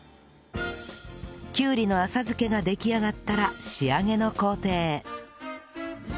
きゅうりの浅漬けが出来上がったら仕上げの工程へ